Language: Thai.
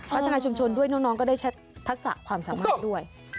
พัฒนาชุมชนด้วยน้องก็ได้ทักษะความสามารถด้วย